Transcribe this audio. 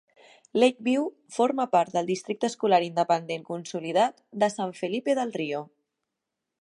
Lake View forma part del districte escolar independent consolidat de San Felipe del Rio.